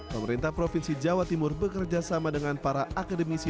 pemerintah provinsi jawa timur bekerjasama dengan para akademisi